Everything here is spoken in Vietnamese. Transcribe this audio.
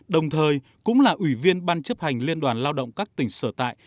đồng thời cũng là ủy viên ban chấp hành liên đoàn lao động các tỉnh sở tại